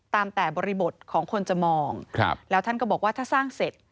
ตามแต่บริบทของคนจะมองแล้วท่านก็บอกว่าถ้าสร้างเสร็จ